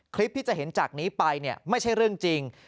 คลิปที่จะเห็นจากนี้ไปเนี่ยไม่ใช่เรื่องจริง